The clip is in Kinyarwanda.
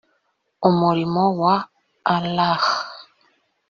umurimo wa allah